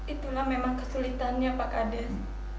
itulah memang kesulitannya pak kades